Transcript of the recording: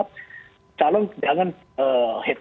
calon jangan terlalu banyak yang berada di dalam partai golkar